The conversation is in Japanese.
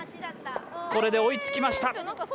これで追いつきました。